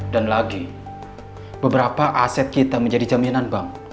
dan lagi beberapa aset kita menjadi jaminan bang